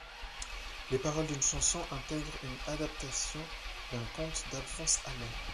Les paroles d'une chanson intègrent une adaptation d'un conte d'Alphonse Allais.